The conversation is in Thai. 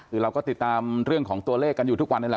คือเราก็ติดตามเรื่องของตัวเลขกันอยู่ทุกวันนี้แหละ